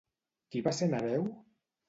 Qui va ser Nereu?